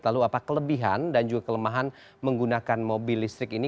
lalu apa kelebihan dan juga kelemahan menggunakan mobil listrik ini